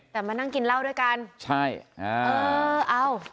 แต่มานั่งกินเหล้าด้วยกันใช่อ่าเออเอา